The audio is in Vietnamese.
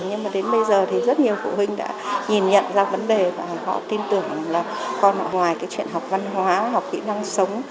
nhưng mà đến bây giờ thì rất nhiều phụ huynh đã nhìn nhận ra vấn đề và họ tin tưởng là con họ ngoài cái chuyện học văn hóa học kỹ năng sống